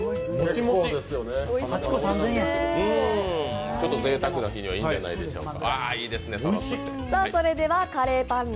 ちょっとぜいたくな日にはいいんじゃないでしょうか。